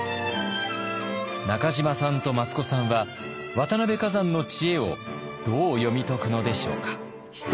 中島さんと益子さんは渡辺崋山の知恵をどう読み解くのでしょうか。